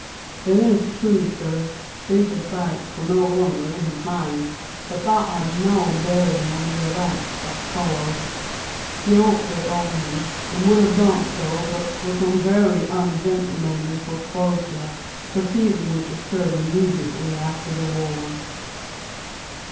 It is true, suh, these estates were no longer in his name, but that had no bearin' on the events that followed; he ought to have owned them, and would have done so but for some vehy ungentlemanly fo'closure proceedin's which occurred immediately after the war.